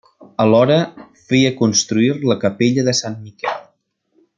Alhora, feia construir la capella de Sant Miquel.